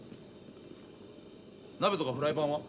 鍋とかフライパンは？